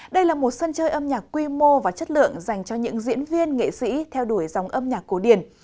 đây là một sân chơi âm nhạc quy mô và chất lượng dành cho những diễn viên nghệ sĩ theo đuổi dòng âm nhạc cổ điển